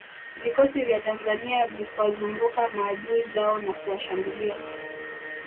Vikosi vya Tanzania vikwazunguka maadui zao na kuwashambulia